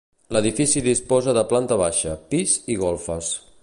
L'edifici disposa de planta baixa, pis i golfes.